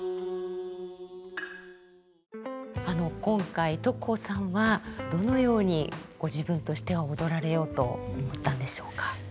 今回徳穂さんはどのようにご自分としては踊られようと思ったんでしょうか。